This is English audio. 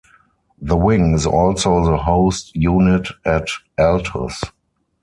The wing is also the host unit at Altus.